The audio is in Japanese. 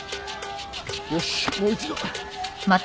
よしもう一度。